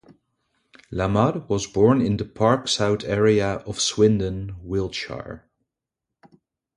Lamarr was born in the Park South area of Swindon, Wiltshire.